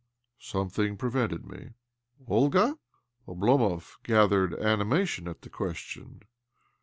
" Something prevented me." "Olga?" Oblomov gathered animation at the question.